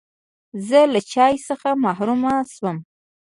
زه له چای څخه محروم شوم.